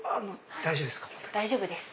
大丈夫です。